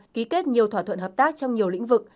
ký kết nhiều thỏa thuận hợp tác trong nhiều lĩnh vực